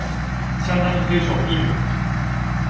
相當推崇印尼